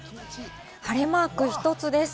晴れマーク、１つです。